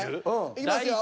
いきますよ。